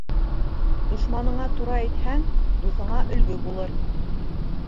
Дошманыңа тура әйтһәң, дуҫыңа өлгө булыр.